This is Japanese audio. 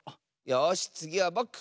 よしつぎはぼく！